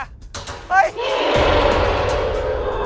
เฮ้ย